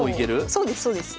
そうですそうです。